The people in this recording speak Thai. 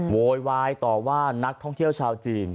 โวยวายต่อว่านักท่องเที่ยวชาวจีน